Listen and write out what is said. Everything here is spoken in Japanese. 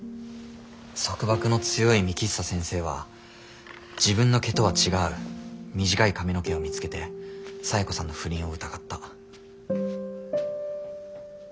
束縛の強い幹久先生は自分の毛とは違う短い髪の毛を見つけて冴子さんの不倫を疑った。